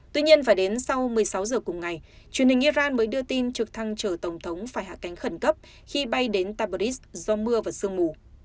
tuy nhiên phải đến sau một mươi sáu giờ cùng ngày truyền hình iran mới đưa tin trực thăng chở tổng thống phải hạ cánh khẩn cấp khi bay đến tabris do mưa và sương mù